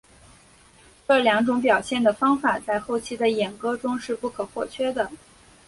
这两种表现的方法在后期的演歌中是不可或缺的。